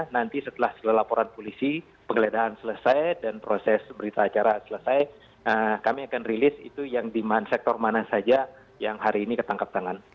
nanti setelah setelah laporan polisi penggeledahan selesai dan proses berita acara selesai kami akan rilis itu yang di sektor mana saja yang hari ini ketangkap tangan